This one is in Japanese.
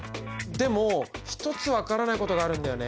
でも一つ分からないことがあるんだよね。